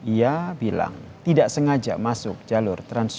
ia bilang tidak sengaja masuk jalur transjakar